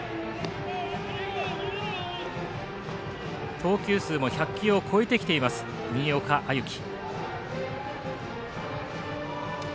投球数も１００球を超えてきている新岡歩輝。